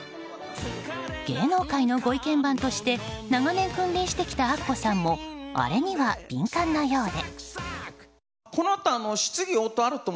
芸能界のご意見番として長年、君臨してきたアッコさんもあれには敏感なようで。